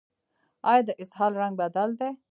ایا د اسهال رنګ بدل دی؟